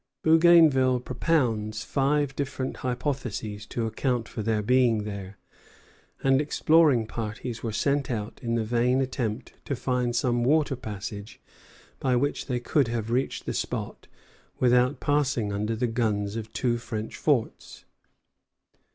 Bougainville propounds five different hypotheses to account for their being there; and exploring parties were sent out in the vain attempt to find some water passage by which they could have reached the spot without passing under the guns of two French forts.